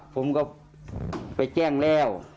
ผมก็ไปแจ้งแล้ว